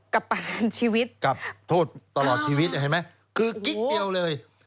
ประหารชีวิตกับโทษตลอดชีวิตเห็นไหมคือกิ๊กเดียวเลย